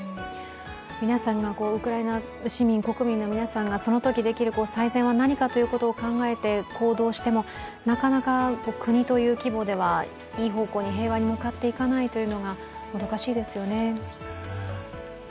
皆さんがウクライナ市民、国民の皆さんがそのときできる最善は何かということを考えて行動しても、なかなか国という規模ではいい方向に平和に向かっていかないというのがもどかしいですよね。